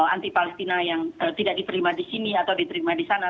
anti palestina yang tidak diterima di sini atau diterima di sana